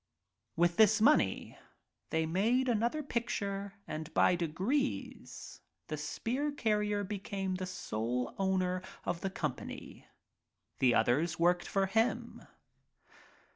With this money they made an other picture and by degrees the spear carrier be came the sole owner of the company — the others worked for him.